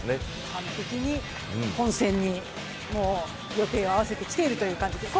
完璧に本戦に予定を合わせてきているという感じで。